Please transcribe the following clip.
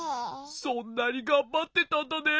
そんなにがんばってたんだね。